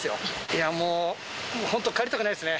いやもう、本当帰りたくないですね。